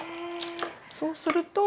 そうすると。